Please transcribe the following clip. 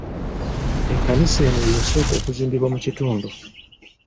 Ekkanisa eno ye yasooka okuzimbibwa mu kitundu.